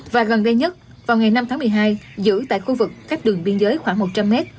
và gần đây nhất vào ngày năm tháng một mươi hai giữ tại khu vực cách đường biên giới khoảng một trăm linh mét